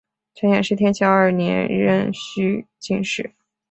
陈演是天启二年壬戌进士。